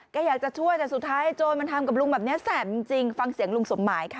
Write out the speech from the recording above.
ก็อยากจะช่วยแต่สุดท้ายโจรมันทำกับลุงแบบนี้แสบจริงฟังเสียงลุงสมหมายค่ะ